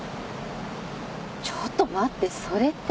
ちょっと待ってそれって。